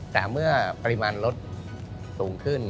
แต่เมื่อปริมาณลดสูงขึ้น